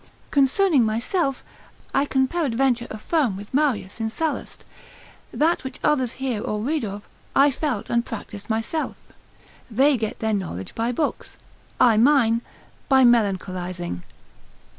Concerning myself, I can peradventure affirm with Marius in Sallust, that which others hear or read of, I felt and practised myself; they get their knowledge by books, I mine by melancholising.